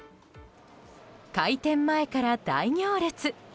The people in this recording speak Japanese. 開店前から大行列。